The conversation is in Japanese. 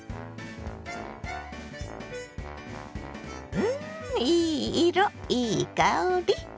うんいい色いい香り。